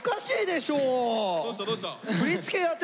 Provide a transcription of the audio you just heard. どうしたどうした？